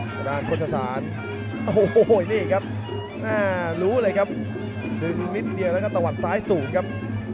ก็เลยครับน่ารูเลยครับดึงมิถเมตรเดียวกับตะวัดซ้ายสูงครับ